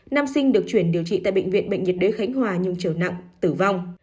nam sinh được chuyển điều trị tại bệnh viện bệnh nhiệt đới khánh hòa nhưng trở nặng tử vong